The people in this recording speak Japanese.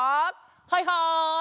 はいはい！